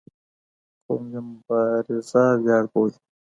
قوم یې مبارزه ویاړ بولي